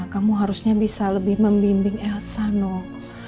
kamu harusnya bisa lebih membimbing elsa noh